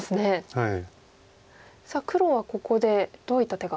はい。